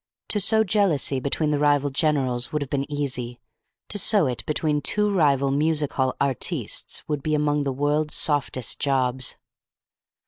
To sow jealousy between the rival generals would have been easy. To sow it between two rival music hall artistes would be among the world's softest jobs.